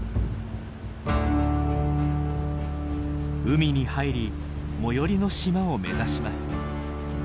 海に入り最寄りの島を目指します。